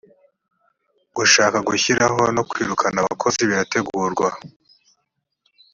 gushaka gushyiraho no kwirukana abakozi birategurwa